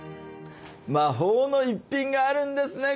魔法の一品があるんですね。